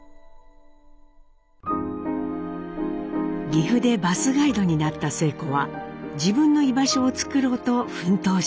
岐阜でバスガイドになった晴子は自分の居場所を作ろうと奮闘します。